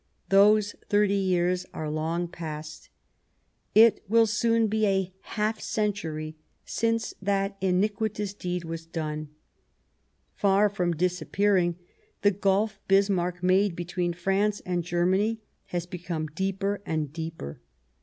Those thirty years are long past ; it will soon be a half century since that iniquitous deed was done. Far from disappearing, the gulf Bismarck made between France and Germany has become deeper and deeper.